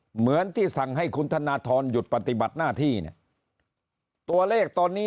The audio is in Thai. เหมือนที่สั่งให้คุณธนทรหยุดปฏิบัติหน้าที่เนี่ยตัวเลขตอนนี้